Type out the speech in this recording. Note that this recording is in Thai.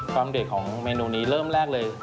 ความเด่นของเมนูนี้เริ่มแรกเลย